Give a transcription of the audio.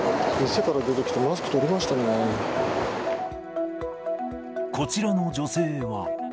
店から出てきて、マスク、こちらの女性は。